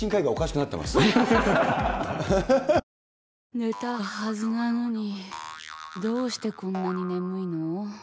寝たはずなのにどうしてこんなに眠いの。